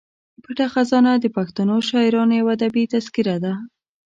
پټه خزانه د پښتنو شاعرانو یوه ادبي تذکره ده.